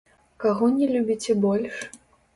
Каго не любіце больш?